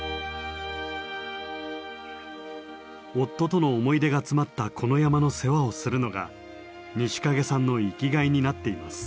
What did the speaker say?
夫との思い出が詰まったこの山の世話をするのが西蔭さんの生きがいになっています。